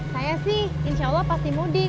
saya sih insya allah pasti mudik